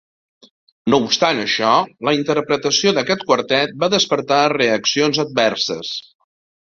No obstant això, la interpretació d'aquest quartet va despertar reaccions adverses.